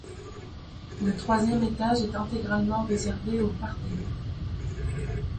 Le troisième étage est intégralement réservé au Parthénon.